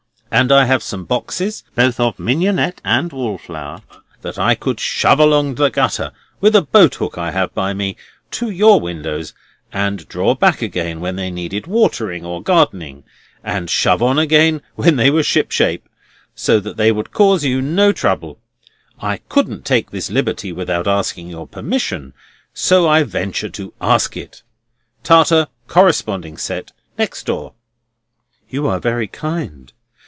And I have some boxes, both of mignonette and wall flower, that I could shove on along the gutter (with a boathook I have by me) to your windows, and draw back again when they wanted watering or gardening, and shove on again when they were ship shape; so that they would cause you no trouble. I couldn't take this liberty without asking your permission, so I venture to ask it. Tartar, corresponding set, next door." "You are very kind."